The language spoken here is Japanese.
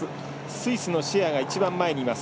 スイスのシェアが一番前にいます。